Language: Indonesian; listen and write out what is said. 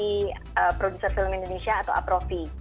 saya tidak mewakili produser film indonesia atau aprofi